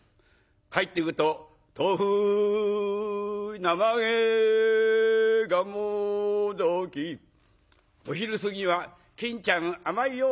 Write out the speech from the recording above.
帰ってくると「とうふ生揚げがんもどき」。お昼過ぎは「金ちゃん甘いよ」。